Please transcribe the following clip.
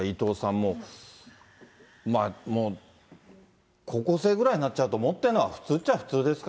もう、もう高校生ぐらいになると持ってるっちゃ、普通っちゃ普通ですか